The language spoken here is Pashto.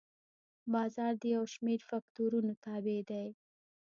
بازار د یو شمېر فکتورونو تابع دی.